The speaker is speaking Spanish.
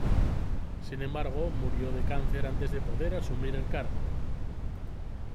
Sin embargo, murió de cáncer antes de poder asumir el cargo.